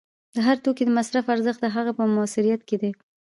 د هر توکي د مصرف ارزښت د هغه په موثریت کې دی